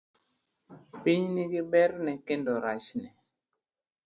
Piny nigi berne kendo rachne.